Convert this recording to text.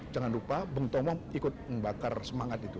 jangan lupa bung tomo ikut membakar semangat itu